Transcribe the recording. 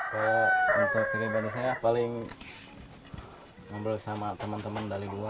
kalau untuk di bandar saya paling ngomel sama teman teman dari luar